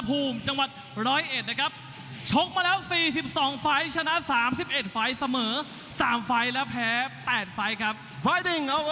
๓๑ประวัติศาสตร์วินเอกลูซิสและ๓ประวัติศาสตร์